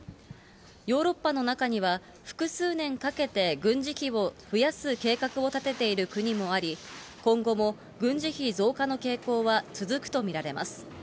ヨーロッパの中には、複数年かけて軍事費を増やす計画を立てている国もあり、今後も軍事費増加の傾向は続くと見られます。